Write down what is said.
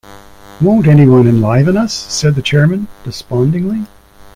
‘Won’t anybody enliven us?’ said the chairman, despondingly.